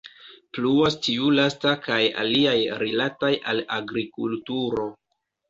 Pluas tiu lasta kaj aliaj rilataj al agrikulturo.